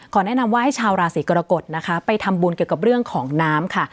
แนะนำว่าให้ชาวราศีกรกฎนะคะไปทำบุญเกี่ยวกับเรื่องของน้ำค่ะ